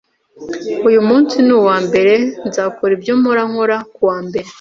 Uyu munsi niwambere, nzakora ibyo mpora nkora kuwa mbere.